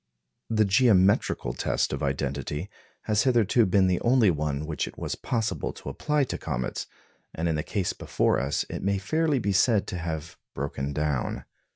The geometrical test of identity has hitherto been the only one which it was possible to apply to comets, and in the case before us it may fairly be said to have broken down.